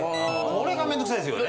これが面倒くさいですよね。